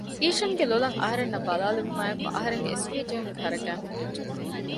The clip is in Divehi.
އީޝަންގެ ލޮލަށް އަހަރެންނަށް ބަލާލެވުމާއެކު އަހަރެންގެ އެސްފިޔަ ޖެހުމުގެ ހަރަކާތް ހުއްޓިއްޖެ